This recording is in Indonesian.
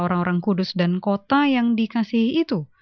orang orang kudus dan kota yang dikasih itu